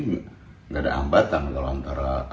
gak ada ambatan antara